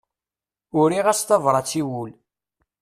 Uriɣ-as tabrat i wul.